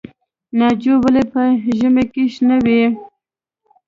ناجو ولې په ژمي کې شنه وي؟